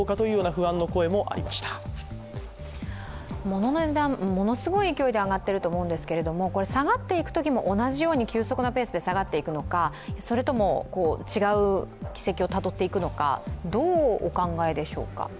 物の値段、ものすごい勢いで上がっていると思うんですが、下がっていくときも同じように急速なペースで下がっていくのか、それとも違う軌跡をたどっていくのか、どうお考えでしょうか。